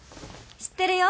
知ってるよ。